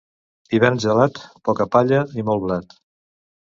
Hivern gelat, poca palla i molt blat.